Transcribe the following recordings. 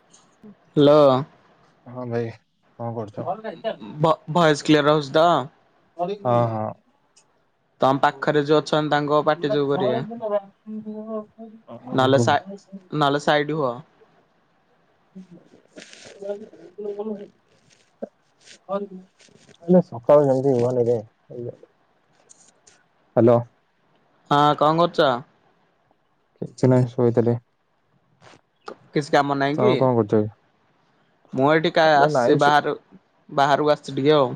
[inaudible] Hello. ହଁ ଭାଇ କଣ କରୁଚ? ଭଏସ କ୍ଲିୟର ହଉଚି ତ। ହଁ ହଁ। ତମ ପାଖରେ ଯୋଉ ଅଛନ୍ତି ତାଙ୍କ ପାଟି ଯୋଉ କରିବା [inaudible] ନହେଲେ ସା ନହେଲେ ସାଇଡ ହୁଅ। [inaudible] ହଁ ହେଲେ ସକାଳୁ ଯାଇ [unintelligible] ହ୍ୟାଲୋ। ହଁ କଣ କରୁଚ? କିଛି ନାଇ ଶୋଇଥିଲି। କିଛି କାମ ନାହିଁ କି ତମେ କଣ କରୁଛ କି? ମୁଁ ଏଠି କା ଆରେ ନାଇଁ ଆସଚି ଶୋ- ବାହାରୁ ବାହାରକୁ ଆସଚି ଟିକେ ଆଉ।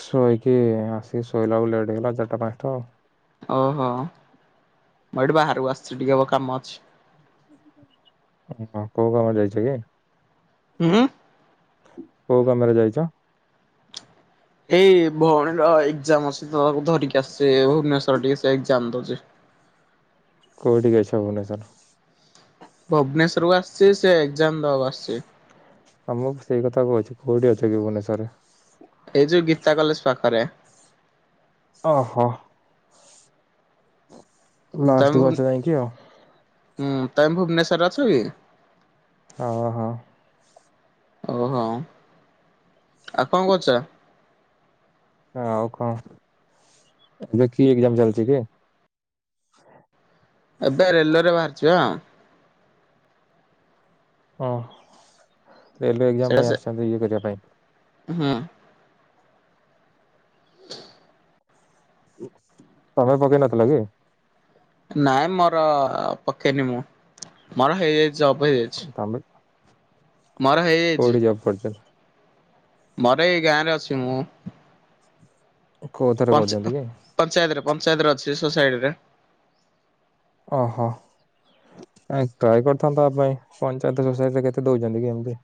ଶୋଇକି ଆସିକି ଶୋଇଲା ଏଳକୁ ଲେଟ୍ ହେଇଗଲା ଚାରିଟା ପାଞ୍ଚଟା। ଓହୋ ମୁଁ ଏଠି ବାହାରକୁ ଆସଚି ଟିକେ ବ କାମ ଅଛି। [inaudible] ଓହୋ କୋଉ କାମରେ ଯାଇଛ କି? ଉଁ? କୋଉ କାମରେ ଯାଇଚ? ହେଇ ଭୋଉଣୀର ଏଗଜାମ ଅଛି ତ ତାକୁ ଧରିକି ଆସି ଭୁବନେଶ୍ୱର ଟିକେ ସେ ଏଗଜାମ ଦୋଉଚି। କୋଉଠି କି ଅସଛ ଭୁବନେଶ୍ୱର? ଭୁବନେଶ୍ୱରକୁ ଆସଚି ସେ ଏଗଜାମ ଦବାକୁ ଆସଚି। ତମକୁ ସେଇ କଥା କୋହୁଚି କୋଉଠି ଅଛ କି ଭୁବନନେଶ୍ୱରରେ? ଏଇ ଯୋଉ ଗୀତା କଲେଜ ପାଖରେ। ଓହୋ। ତମେ ଲାଷ୍ଟକୁ ଭୁ ଅଛ ଯାଇଁକି ଆଉ। ହୁଁ ତମେ ଭୁବନେଶ୍ଵରରେ ଅଛ କି? ଅହଁ। ଓହୋ ଆଉ କଣ କରୁଚ? ଆଉ କଣ ଏବେ କି ଏଗଜାମ ଚାଲଚି କି? ଏବେ ରେଲୱେରେ ବାହାରଚି ପା। ଓ ରେଲୱେ ଏଗଜାମ ପାଇଁ ଆସଛନ୍ତି ଇଏ କରିବା ପାଇଁ। ଉହୁଁ। ତମେ ପକେଇ ନଥିଲ କି? ନାଇଁ ମୋର ପକେଇନି ମୁଁ ମୋର ହେଇଯାଇଚି ଜବ ହେଇଯାଇଚି। ତମ ବି ମର ହେଇଯାଇଚି। କରଚ ମୋର ଏଇ ଗା ରେ ଅଛି ମୁଁ। କେଉଥିରେ ପଞ୍ଚା କରୁଚନ୍ତି କି? ପଞ୍ଚାୟତରେ ପଞ୍ଚାୟତରେ ଅଛି ସୋସାଇଟିରେ। ଓହୋ। ନାଇ ଟ୍ରଏ କରିଥାନ୍ତ ଅ ପାଇଁ ପଞ୍ଚାୟତ ସୋସାଇଟିରେ କେତେ ଦୋଉଚନ୍ତି କି ଏମତି।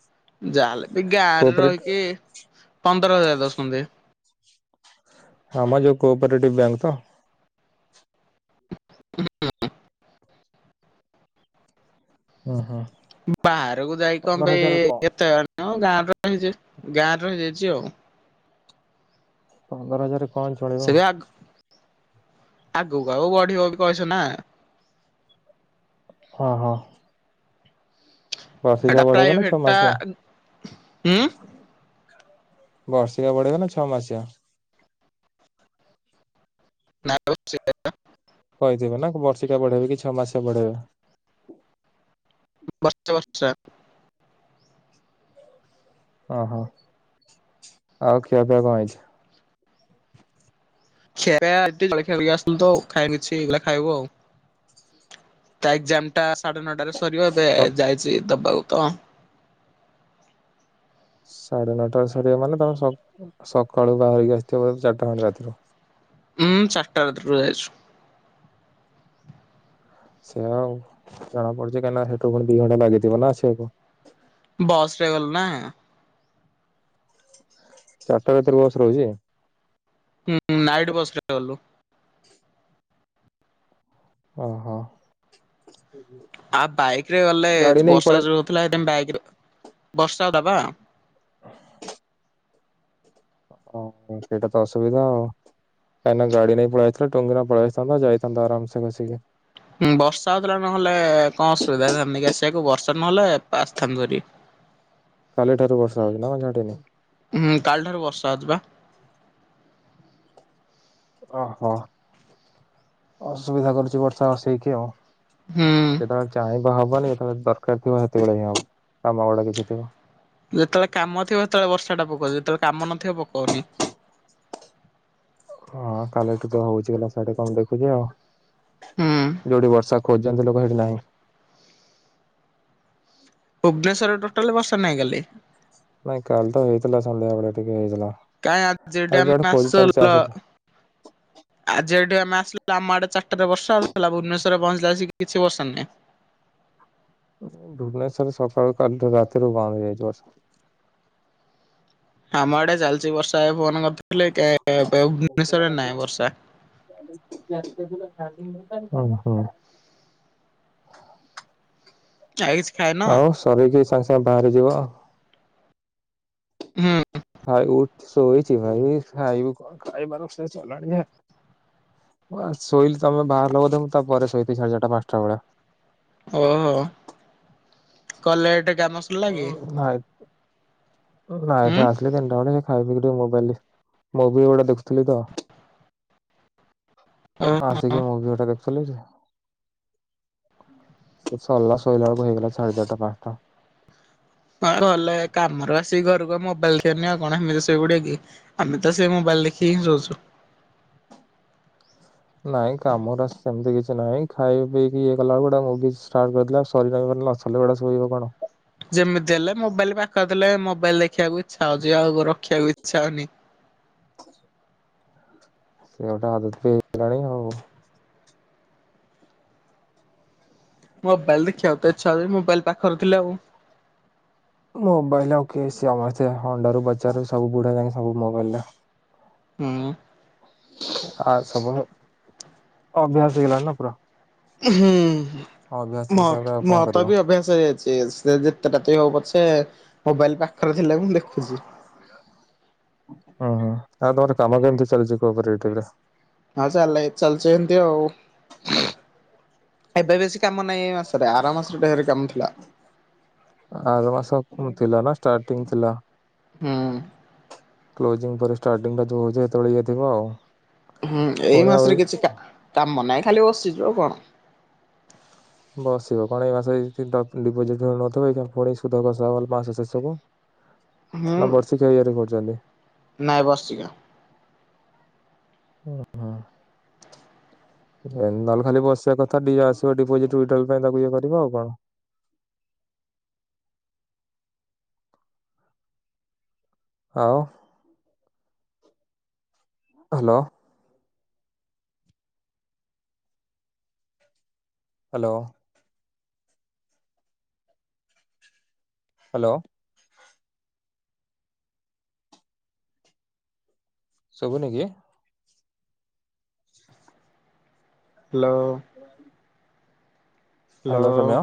ଯା ହେଲେ ବି ଗାଁରେ ରହିକି ପନ୍ଦର ହଜାର ଦୋଉଛନ୍ତି। ହଁ ମ ଯୋଉ କୋପରେଟିଭ୍ ବ୍ୟାଙ୍କ ତ। [inaudible] ଓହୋ। ବାହାରକୁ ଯାଇକି କଣ ପାଇଁ ଏତେ ମାନେ ହଁ ଗାଁରେ ରହିଚି ଗାଁରେ ରହିଯାଇଚି ଆଉ। ପନ୍ଦର ହଜାରେ ସେ ବି ଆଗ ଆଗକୁ ଆଉ ବଢିବ ବି କହିଛ ନା। ହଁ ହଁ। ହେଟା ବର୍ଷିକିଆ ବଢେଇବ ନା ପ୍ରାଇଭେଟ ଛଅ ଟା ମାସିଆ? ଉଁ ବର୍ଷିକା ବଡେଇବେ ନା ଛଅ ମାସିଆ? ନା [inaudible] କହିଥିବେ ନା କ ବର୍ଷିକା ବଢେଇବେ କି ଛଅ ମାସିଆ ବଢେଇବେ। ବର୍ଷେ ବର୍ଷିଆ। ଓହୋ ଆଉ ଖିଆପିଆ କଣ ହେଇଛି? ଖିଆପିଆ ଆଜି ଟିକେ ଜଳଖିଆ କରି ଆସିଥିଲୁ ତ ଖାଇନୁ କିଛି ଏଇବେଳା ଖାଇବୁ ଆଉ। ତା ଏଗଜାମଟା ସାଢେ ନଅଟାରେ ସରିବ ଏବେ ସ ଯାଇଚି ଦବାକୁ ତ। ସାଢ଼େ ନଅଟାରେ ସରିବା ମାନେ ତମେ ସ ସକାଳୁ ବାହାରିକି ଆସିଥିବ ବୋଧେ ଚାରଟା ଖଣ୍ଟେ ରାତିରୁ। ହୁଁ ଚାରିଟା ରାତିରୁ ପରିଆସିଚୁ ସେଆ ଆଉ ଜଣା ପଡୁଛି କାହିଁକିନା ସେଠୁ ପୁଣି ଦି ଘଣ୍ଟା ଲାଗିଥିବ ନା ଆସିବାକୁ। ବସ୍ ରେ ଗଲୁ ନା। ଚାରିଟା ରାତିରୁ ବସ ରହୁଛି? ହୁଁ ହୁଁ ନାଇଟି ବସ୍ ରେ ଗଲୁ। ଓହୋ। ଆଉ ବାଇକ୍ ରେ ଗଲେ ଗାଡି ନେଇକି ବର୍ଷା ପଳାଏ ଯୁ ହଉଥିଲା ହେଥି ପାଇଁ ବାଇକ୍ ରେ ବର୍ଷା ହେଲା ବା। ହ ସେଇଟା ତ ଅସୁବିଧା ଆଉ। କାହିଁକି ନା ଗାଡ଼ି ନେଇ ପଳେଇଆଇଥିଲା ଟୁଙ୍ଗୁ କିନା ପଳେଇଆସିଥାନ୍ତ ଯାଇଥାନ୍ତା ଆରାମ ସେ ବସିକି। ହୁଁ ବର୍ଷା ହେଉଥିଲା ନହେଲେ କଣ ଅସୁବିଧା ହେଇଥାନ୍ତା କି ଆସିବାକୁ ବର୍ଷା ନହେଲେ ଆସିଥାନ୍ତୁ ହେରି। କାଲିଠାରୁ ବର୍ଷା ହଉଛି ନା [inaudible] ହୁଁ କାଲି ଠାରୁ ବର୍ଷା ହେଉଛି ବା। ଓହୋ ଅସୁବିଧା କରୁଛି ବର୍ଷା ଆସିକି ଆଉ। ହୁଁ। ଯେତେବେଳେ ଚାହିଁବା ହବନି ଯେତେବେଳେ ଦରକାର ଥିବ ସେତେବେଳେ ହିଁ ହବ କାମ ଗୁଡା କିଛି ଥିବ। ଯେତେବେଳେ କାମ ଥିବ ସେତେବେଳେ ବର୍ଷାଟା ପକଉଛି ଯେତେବେଳେ କାମ ନଥିବ ପକଉନି। ହଁ କାଲି ଟିକ ତ ହଉଚ ଗଲା ସେଠି କମ ଦେଖୁଛି ଆଉ ହୁଁ। [unintelligible] ଯୋଉଠି ବର୍ଷା ଖୋଜଛନ୍ତି ଲୋକ ହେଇଠି ନାହିଁ। ଭୁବନେଶ୍ୱର ଟୋଟାଲି ବର୍ଷା ନାହିଁ କାଲି। ନାଇଁ କାଲି ତ ହେଇଥିଲା ସନ୍ଧ୍ୟା ବେଳେ ଟିକେ ହେଇଥିଲା। କାଇ ଆଜି ଆରେ ଏଇଟି ଯୁଆଡେ ମାସ ଖୋଜୁଛନ୍ତି ସେ ଲ ଆସ ଆଜି ଏଇଟି ଆମେ ଆସିଲୁ ଆମ ଆଡେ ଚାରିଟାରେ ବର୍ଷା ହଉଥିଲା ଭୁବନେଶରରେ ପହଞ୍ଚିଲା ଆସକି କିଛି ବର୍ଷା ନାହିଁ। ଭୁବନେଶ୍ୱରରେ ସକାଳୁ କାଲିଠୁ ରାତିରୁ ବନ୍ଦ ହେଇଯାଇଛି ବର୍ଷା। ଆମ ଆଡେ ଚାଲିଛି ବର୍ଷା ଫୋନ କରିୁଥିଲେ କେ କେ ପେ ଭୁବନେଶ୍ଵରରେ ନାହିଁ ବର୍ଷା। ହଁ ହଁ [unintelligible] ଆଉ କିଛି ଖାଇନ। କରିକି ସାଙ୍ଗେ ସାଙ୍ଗେ ବାହାରିଯିବ। ହୁଁ। ଭାଇ ଶୋଇଛି ଭାଇ କଣ ଖାଇବାର ସେ ଚଲାଣି [inaudible] ଶୋଇଲି ତମେ ବାହାରଲ ବୋଧେ ମୁଁ ତାପରେ ଶୋଇଥିବି ସାଢେ ଚାରଟା ପାଞ୍ଚଟା ବେଳେ। ଓହୋ କ ଲେଟ୍ କାମସ୍ ଓହୋ ନାଇ ନାଇଟି ହୁଁ ରେ ଆସିଲି ତିନିଟା ବେଳେ। ଖାଇ ପିଇ ଟିକେ ମୋବାଇଲି ମୁଭି ଗୁଡା ଦେଖୁଥିଲି ତ। ଓ ଆସିକି ମୁଭି ଗୁଡା ଦେଖୁଥିଲି ଟି। ସେ ସରିଲା ଶୋଇଲା ବେଳକୁ ହେଇଗଲା ସାଢେ ଚାରଟା ପାଞ୍ଚଟା। ତମେ ଗଲେ କାମରେ ବା ସେଇ ଘରକୁ ମୋବାଇଲ ଦେଖିବନି ଆଉ କଣ ହେମିତି ଶୋଇପଡ଼ିବ କି ଆମେ ତ ସେ ମୋବାଇଲି ଦେଖି ହିଁ ସୋଉଛୁ। ନାଇଁ କାମର ସେମିତି କିଛି ନାହିଁ ଖାଇ ପିଇକି ଇଏ କଲା ବେଳକୁ ଗୋଟେ ମୁଭି ଷ୍ଟାର୍ଟ କଲା ସରିଲା ବେଳେ ଲସ। ଖଲଗୁଡା ଶୋଇବ କଣ? ଯେମିତି ହେଲେ ମୋବାଇଲ ପାଖରେ ଥିଲେ ମୋବାଇଲ ଦେଖିବାକୁ ଇଚ୍ଛା ହଉଛି ଆଉ ରଖିବାକୁ ଇଚ୍ଛା ହଉନି। ସେ ଗୋଟେ ଆଦତ ହେଇଗଲାଣି ଆଉ। ମୋବାଇଲ ଦେଖିବାକୁ ତ ଇଚ୍ଛା ହଉଚି ମୋବାଇଲ ପାଖ ଥିଲେ ଆଉ ମୋବାଇଲ ଆଉ କି ସମସ୍ତେ ହଣ୍ଡୁ ବଚାରାରୁ ସବୁ ବୁଢା ଯାଏ ସବୁ ମୋବାଇଲିରେ। ହୁଁ। ଆ ସବୁ ଅଭ୍ୟାସ ହେଇଗଲାଣି ନା ପୁରା ହୁଁ ଅଭ୍ୟାସ ହିସାବରେ ମତ୍ ଆଉ କଣ ମତ୍ କରିବ ବି ଅଭ୍ୟାସ ଶିଇଯାଇଚି ସେ ଯେତେଟା ହଉ ପଛେ ମୋବାଇଲି ପାଖରେ ଥିଲେ ମୁଁ ଦେଖୁଛି। ହୁଁ ହୁଁ ଆଉ ତମର କାମ କେମିତି ଚାଲିଛି କୋପରେଟିବି ରେ? ହଁ ଚାଲ ଚାଲଚି ହେମିତି ଆଉ ଏବେ ବେଶୀ କାମ ନାହିଁ ଏମା ସରେ ଆରାମାସରେ ଢେରେ କାମ ଥିଲା। ଆର ମାସ ଥିଲା ନାଁ ଷ୍ଟାର୍ଟିଂ ଥିଲା। ହୁଁ। କ୍ଲୋଜିଂ ପରେ ଷ୍ଟାର୍ଟିଂ ଟା ତ ହୋଉଛି ହେତୋଳେ ଇଏ ଥିବ ଆଉ। ହୁଁ ଏଇ ପୁଣି ଆଉ ମାସରେ କିଛି କା କାମ ନାହିଁ ଖାଲି ବସିଚୁ ଆଉ କଣ? ବସିବ କଣ ଏଇ ମାସ ହେଇଥି ଟ ଲିପୋଜିଟ୍ ନୋଉନଥୁବ ଏଇକ୍ଷିଣି ପୁଣି ସୁଧ କସା ହବଲ୍ ମାସ ଶେଷ ହିଁ। ହଁ ନାଁ ବର୍ଷିକିଆ ଇଆରେ କରୁଚନ୍ତି? ନାଇଁ ବର୍ଷିକିଆ। ଓ ହଁ। ଏ ନହଲେ ଖାଲି ବସିବା କଥା ଡିଏ ଆସିବ ଡିପୋଜିଟ୍ ୱିଡାଲ୍ ପାଇଁ ତାକୁ ଇଏ କରିବ ଆଉ କଣ? ଆଉ? ହାଲୋ। ହାଲୋ। ହାଲୋ। ଶୁଭୁନି କି? ହାଲୋ। ଲୋ ହ୍ୟାଲୋ ସୌମ୍ୟ?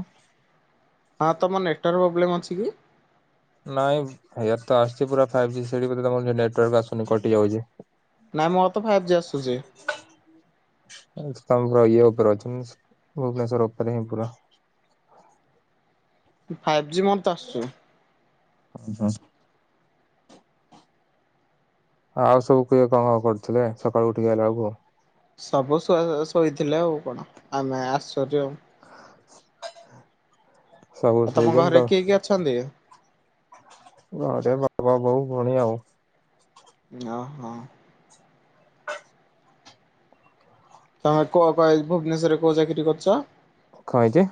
ହଁ ତମ ନେଟୱାର୍ ପ୍ରୋବ୍ଲେମ୍ ଅଛି କି? ନାଇଁ ୟାର ତ ଆସୁଚି ପୁରା ଫାଇବ୍ ଜି ସେଇଠି ବୋଧେ ତମର କେ ନେଟାର୍କ ଆସୁନି କଟି ଯାଉଚି। ନାଇଁ ମୋର ତ ଫାଇବ୍ ଜି ଆସୁଚି। ଏ ସ୍ତମ୍ବର ଇଏ ଓପରେ ଅଛି ମୁଁ ସ୍ ଭୁବନେଶ୍ୱର ଉପରେ ହିଁ ପୁରା। ଫାଇବ୍ ଜି ମୋ ତ ଆସୁଚି। ଉଁ ଜା। ଆଉ ସବୁ କିଏ କଁ କଁ କରୁଥୁଲେ ସକାଳୁ ଉଠିକି ଆଇଲା ଅଳୁକୁ? ସବୁ ଶୋ ଶୋଇଥିଲେ ଆଉ କଣ ଆମେ ଆଶ୍ଚର୍ଯ୍ୟ। ସବୁ ଆଉ ତମ ଶୋଇଛନ୍ତି ତ ଘରେ କିଏ କିଏ ଅଛନ୍ତି? ଘରେ ବାବା, ବୋଉ, ଭଉଣୀ ଆଉ। ନାଁ ହଁ। ତମେ କୋ ପା ଏଇ ଭୁବନେଶ୍ୱରରେ କୋଉ ଚାକିରି କରୁଚ? ଖଇତେ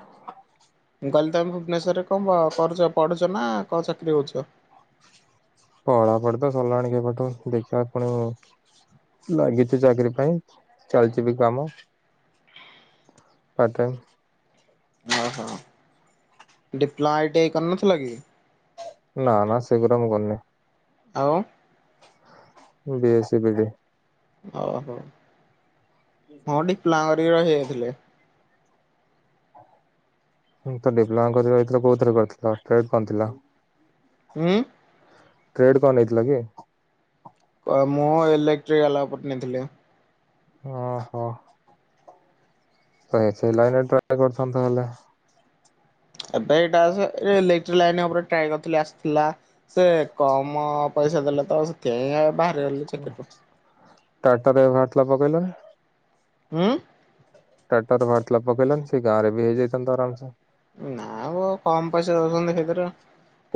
ମୁଁ କହିଲି ତମେ ଭୁବନେଶ୍ୱରରେ କଁ ବ କରୁଚ ପଢ଼ୁଚ ନାଁ କଁ ଚାକିରି କରୁଚ? ପଢ଼ାପଢ଼ି ତ ସରିଲାଣି କେବେଠୁ। ଦେଖିବା କଣ ହଉ ଲାଗିଚି ଚାକିରି ପାଇଁ ଚାଲିଚି ବି କାମ। Part time. ଓହୋ, ଡିପ୍ଲୋମା, ଆଇ ଟି ଆଇ କରିନଥିଲ କି? ନାଁ ନାଁ ସେଗୁରା ମୁଁ କରିନି। ଆଉ? ବି ଏସି ବିଡ଼ି। ଓହୋ, ହଁ ଡିପ୍ଲୋମା କରି ରହି ଯାଇଥିଲେ। ଉଁ ତ ଡିପ୍ଲୋମା କରି ରହିଥିଲ। କୋଉଥିରେ କରିଥିଲ? ଟ୍ରେଡ୍‌ କଣ ଥିଲା? ଉଁ? ଟ୍ରେଡ୍ କଣ ନେଇଥିଲ କି? ଓ ମୁଁ ଇଲେକ୍ଟ୍ରିକାଲ୍ ଓପରେ ନେଇଥିଲି। ଓହୋ ପ୍ରାୟ ସେ ଲାଇନ୍ ରେ ଟ୍ରାଏ କରିଥାନ୍ତ ହେଲେ। ଏବେ ଏଇଟା, ଆସେ ଇଲେକ୍ଟ୍ରି ଲାଇନ୍ ଓପରେ ଟ୍ରାଏ କରିଥିଲି ଆସିଥିଲା। ସେ କମ ପଇସା ଦେଲେ ତ ସେଥିପାଇଁ ଆ ବାହାରିଗଲି ଚାକିରୁ। ଟାଟାରେ ଏବେ ବାହାରିଥିଲା ପକେଇଲନି। ଉଁ? ଟାଟାରେ ବାହାରିଥିଲା ପକେଇଲନି। ସେଇ ଗାଁରେ ବି ହେଇଯାଇଥାନ୍ତା ଆରାମସେ। ନାଁ ମ କମ ପଇସା ଦଉଚନ୍ତି ହେଇଥିରେ।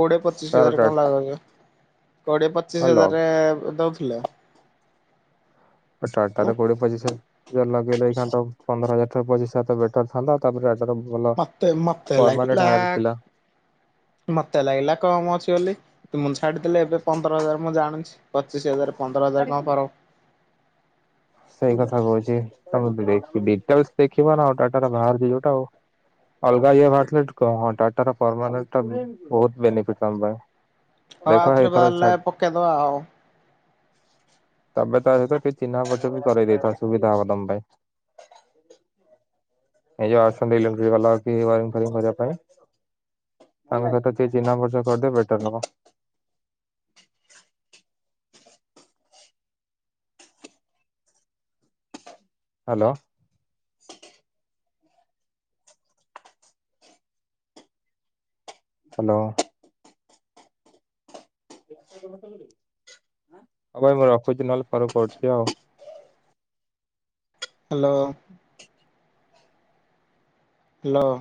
କୋଡ଼ିଏ ପଚିଶ କାର ହଜାର ଟା କଁ ଲା ରହିଅ? କୋଡ଼ିଏ ପଚିଶ ଲଗ ହଜାରରେ ଦଉଥୁଲେ। ଟାଟାରେ କୋଡିଏ ପଚିଶ ହଜାର। ଲଗେଇଲେ, ଏଇ ଖାନ୍‌ ତ ପନ୍ଦର ହଜାର ଠାରୁ ପଚିଶ ହଜାର ତ ବେଟର ଥାନ୍ତା। ତାପରେ ଭଲ ମତେ ମତେ ପରମାନେଣ୍ଟ ଲାଗିଲା, ହାୟାର ଥିଲା। ମତେ ଲାଗିଲା କମ୍ ଅଛି ବୋଲି। ତୁ, ମୁଁ ଛାଡିଦେଲେ ଏବେ ପନ୍ଦର ହଜାର ମୁଁ ଜାଣୁଛି। ପଚିଶ ହଜାର, ପନ୍ଦର ହଜାର, କଣ ଫରକ। ସେଇ କଥା କହୁଛି। ତମେ ଦେଖି, ଡିଟେଲ୍ସ ଦେଖିବ ନା, ଆଉ ଟାଟାର ବାହାରୁଛି, ଯୋଉଟା, ଆଉ ଅଲଗା ଇଏ ବାହାରିଥିଲା। କଣ ଟାଟାର ପରମାନେଣ୍ଟଟା ବହୁତ ବେନିଫିଟ ତମ ପାଇଁ। ହଁ, ଦେଖ ଆଉଥରେ ଏଇଥର ବାହାରିଲେ ଛାଡ ପକେଇଦବା, ଆଉ ତମେ ତା ସହିତ ଟିକେ ଚିହ୍ନା ପରିଚୟ ବି କରାଇ ଦେଇଥାଅ ସୁବିଧା ହବ ତମ ପାଇଁ। ଏ ଯୋଉ ଅଛନ୍ତି, ଇଲେକ୍ଟ୍ରି ଵାଲା, କି ୱାରିଂ ଫ୍ୟାରିଙ୍ଗ କରିବା ପାଇଁ? ତମେ ତ ଟିକେ ଚିହ୍ନା ପରିଚୟ କରିଦିଅ ବେଟର୍ ହେବ। ହ୍ୟାଲୋ। ହ୍ୟାଲୋ। ହଉ ଭାଇ, ମୁଁ ରଖୁଛି। ନହେଲେ, ପରେ କରୁଛି ଆଉ ହ୍ୟାଲୋ। ହ୍ଯାଲୋ।